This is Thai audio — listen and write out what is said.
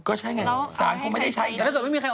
ก็ใช่ไง